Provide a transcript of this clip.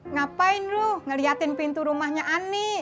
ngapain lu ngeliatin pintu rumahnya ani